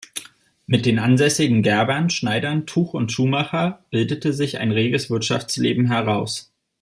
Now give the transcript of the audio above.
Mit den ansässigen Gerbern, Schneidern, Tuch- und Schuhmachern bildete sich ein reges Wirtschaftsleben heraus.